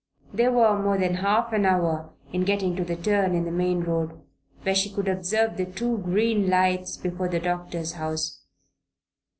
They were more than half an hour in getting to the turn in the main road where she could observe the two green lights before the doctor's house.